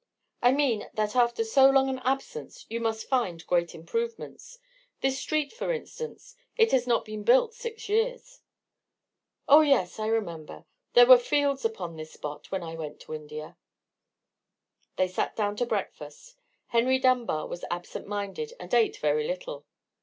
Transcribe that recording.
"I mean, that after so long an absence you must find great improvements. This street for instance—it has not been built six years." "Oh, yes, I remember. There were fields upon this spot when I went to India." They sat down to breakfast. Henry Dunbar was absent minded, and ate very little.